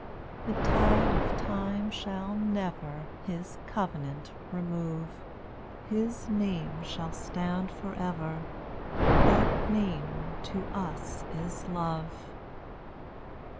The tide of time shall never His covenant remove; His name shall stand forever, That name to us is Love.